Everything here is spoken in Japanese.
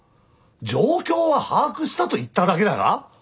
「状況は把握した」と言っただけだが？